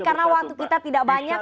karena waktu kita tidak banyak